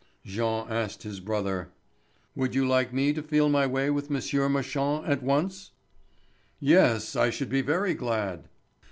Jean asked his brother: "Would you like me to feel my way with M. Marchand at once?" "Yes, I should be very glad."